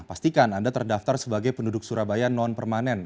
pastikan anda terdaftar sebagai penduduk surabaya non permanen